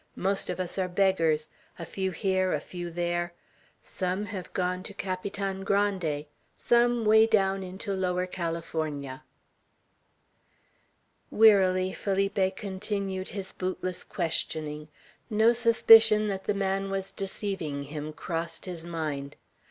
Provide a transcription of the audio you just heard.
"Most of us are beggars. A few here, a few there. Some have gone to Capitan Grande, some way down into Lower California." Wearily Felipe continued his bootless questioning. No suspicion that the man was deceiving him crossed his mind.